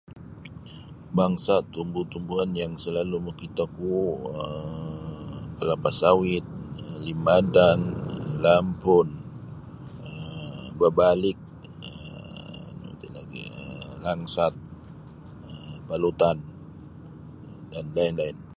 Bangsa' tumbu-tumbuan yang salalu' mokitoku um kalapa sawit limadang lampun um babalik um nu iti lagi' um langsat palutan dan lain-lain.